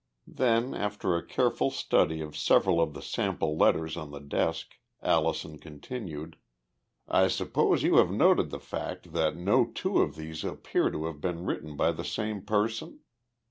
Then, after a careful study of several of the sample letters on the desk, Allison continued, "I suppose you have noted the fact that no two of these appear to have been written by the same person?"